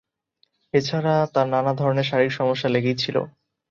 এছাড়া তার নানা ধরনের শারীরিক সমস্যা লেগেই ছিল।